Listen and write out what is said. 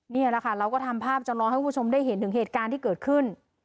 นี่แหละค่ะเราก็ทำภาพจำลองให้คุณผู้ชมได้เห็นถึงเหตุการณ์ที่เกิดขึ้น